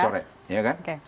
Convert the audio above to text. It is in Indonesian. coret ya kan